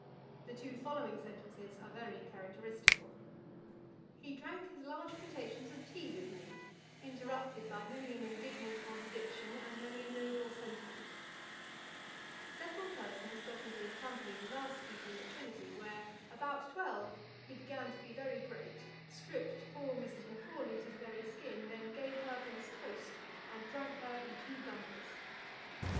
The two following sentences are very characteristical: 'He drank his large potations of tea with me, interrupted by many an indignant contradiction, and many a noble sentiment,' 'Several persons got into his company the last evening at Trinity, where, about twelve, he began to be very great; stripped poor Mrs. Macaulay to the very skin, then gave her for his toast, and drank her in two bumpers.'